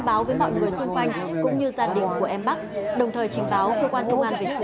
báo với mọi người xung quanh cũng như gia đình của em bác đồng thời trình báo cơ quan công an về sự